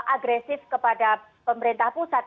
agresif kepada pemerintah pusat